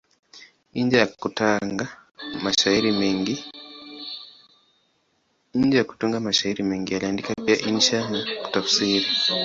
Nje ya kutunga mashairi mengi, aliandika pia insha na kutafsiri.